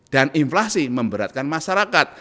inflasi memberatkan masyarakat